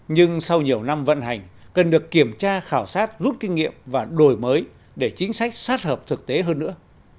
nhưng sau nhiều năm vận hành cần được kiểm tra khảo sát rút kinh nghiệm và đổi mới để chính sách sát hợp thực tế hơn nữa